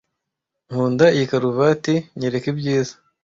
nkunda iyi karuvati. Nyereka ibyiza.